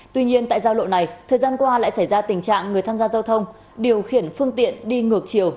tuy nhiên tại giao lộ này thời gian qua lại xảy ra tình trạng người tham gia giao thông điều khiển phương tiện đi ngược chiều